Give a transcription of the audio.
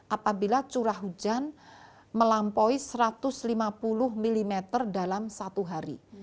apabila curah hujan melampaui satu ratus lima puluh mm dalam satu hari